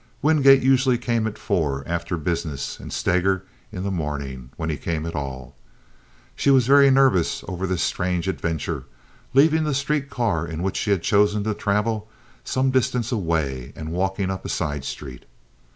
Wingate usually came at four, after business, and Steger in the morning, when he came at all. She was very nervous over this strange adventure, leaving the street car in which she had chosen to travel some distance away and walking up a side street.